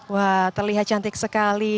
wah terlihat cantik sekali